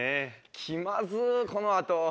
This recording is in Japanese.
気まずこのあと。